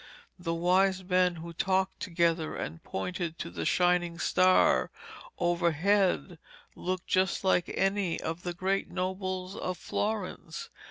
The wise men who talked together and pointed to the shining star overhead looked just like any of the great nobles of Florence.